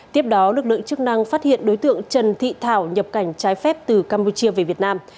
tiếp đó lực lượng chức năng phát hiện đối tượng trần thị thảo nhập cảnh trái phép từ campuchia về việt nam